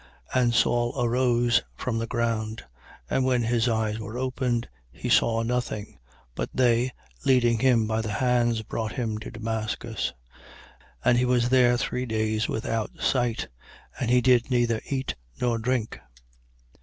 9:8. And Saul arose from the ground: and when his eyes were opened, he saw nothing. But they, leading him by the hands, brought him to Damascus. 9:9. And he was there three days without sight: and he did neither eat nor drink.